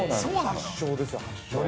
◆発祥ですよ、発祥。